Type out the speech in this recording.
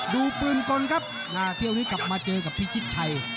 ดูปืนก่อนครับเที่ยวนี้กลับมาเจอกับพิชิตชัย